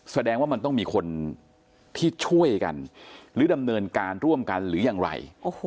แสดงว่ามันต้องมีคนที่ช่วยกันหรือดำเนินการร่วมกันหรือยังไร